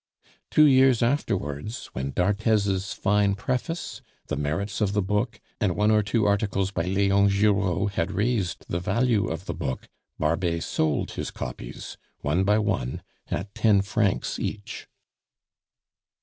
Two years afterwards, when d'Arthez's fine preface, the merits of the book, and one or two articles by Leon Giraud had raised the value of the book, Barbet sold his copies, one by one, at ten francs each.